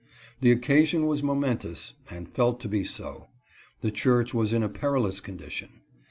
The occasion was momentous, and felt to be so. The church was in a perilous condition.